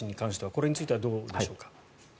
これについてはどうでしょうか。